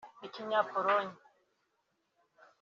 Ikinya-Pologne